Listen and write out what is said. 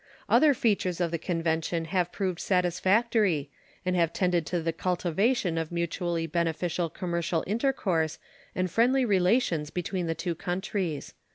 Other features of the convention have proved satisfactory, and have tended to the cultivation of mutually beneficial commercial intercourse and friendly relations between the two countries.